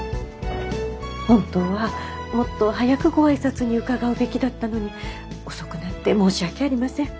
本当はもっと早くご挨拶に伺うべきだったのに遅くなって申し訳ありません。